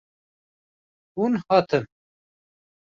Hûn hatin.